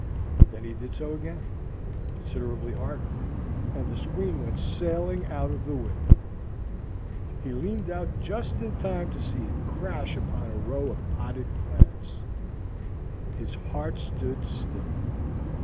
Then he did so again, considerably harder, and the screen went sailing out of the window. He leaned out just in time to see it crash upon a row of potted plants. His heart stood still.